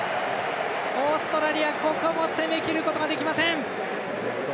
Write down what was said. オーストラリア、ここは攻めきることができません。